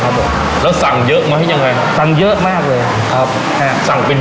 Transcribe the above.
ครับผมแล้วสั่งเยอะไหมยังไงครับสั่งเยอะมากเลยครับแอบสั่งเป็น